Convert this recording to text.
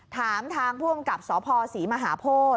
ถามทางผู้อำกับสพศรีมหาโพธิ